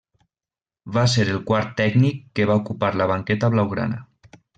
Va ser el quart tècnic que va ocupar la banqueta blaugrana.